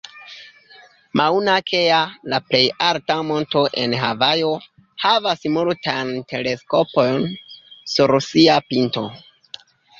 Mauna Kea, la plej alta monto en Havajo, havas multajn teleskopojn sur sia pinto.